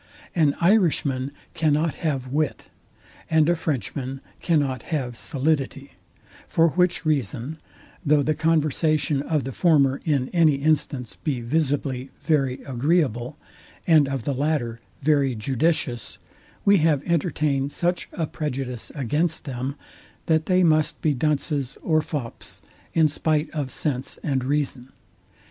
An IRISHMAN cannot have wit, and a Frenchman cannot have solidity; for which reason, though the conversation of the former in any instance be visibly very agreeable, and of the latter very judicious, we have entertained such a prejudice against them, that they must be dunces or fops in spite of sense and reason.